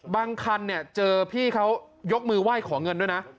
คันเนี่ยเจอพี่เขายกมือไหว้ขอเงินด้วยนะ